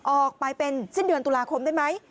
ออกไปเป็นสิ้นเดือนตุลาคมได้ไหม